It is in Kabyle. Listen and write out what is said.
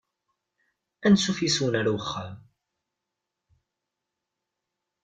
Ansuf yes-wen ar uxxam.